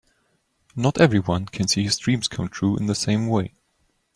Not everyone can see his dreams come true in the same way.